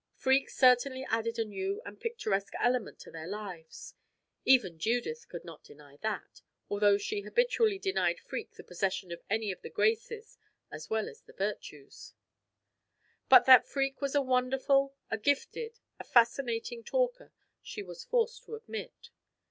Freke certainly added a new and picturesque element to their lives; even Judith could not deny that, although she habitually denied Freke the possession of any of the graces as well as the virtues. But that Freke was a wonderful, a gifted, a fascinating talker, she was forced to admit.